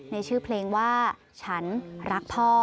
ในชื่อเพลงว่าฉันรักพ่อ